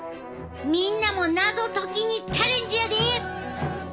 みんなも謎解きにチャレンジやで！